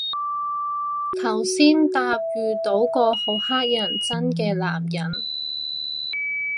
頭先搭遇到個好乞人憎嘅男人